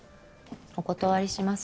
お断りします。